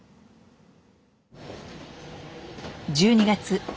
１２月。